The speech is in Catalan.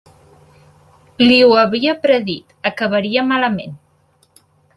Li ho havia predit: acabaria malament.